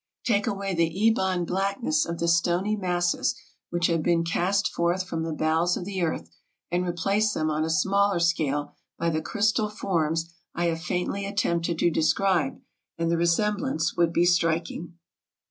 Take away the ebon blackness of the stony masses which have been there cast forth from the bowels of the earth, and replace them on a smaller scale by the crys tal forms I have faintly attempted to describe, and the re semblance would be striking.